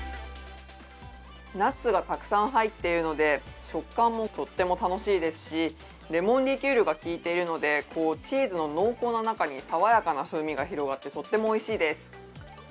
ナッツがたくさん入っているので、食感もとっても楽しいですし、レモンリキュールがきいているので、チーズの濃厚な中に爽やかな風味が広がってとってもおいしいです。